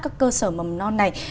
các cơ sở mầm non này